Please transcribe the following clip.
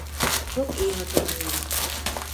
Çok iyi hatırlıyorum.